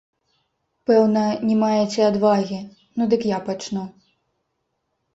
Пэўна, не маеце адвагі, ну дык я пачну.